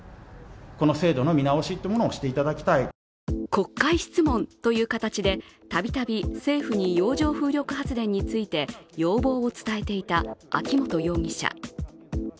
国会質問という形でたびたび政府に洋上風力発電について要望を伝えていた秋本容疑者。